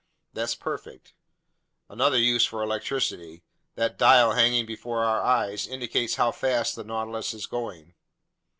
"That's perfect." "Another use for electricity: that dial hanging before our eyes indicates how fast the Nautilus is going.